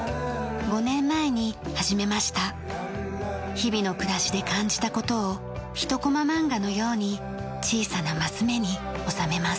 日々の暮らしで感じた事を一コマ漫画のように小さなマス目に収めます。